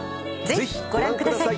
ぜひご覧ください。